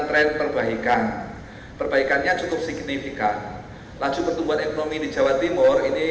tren perbaikan perbaikannya cukup signifikan laju pertumbuhan ekonomi di jawa timur ini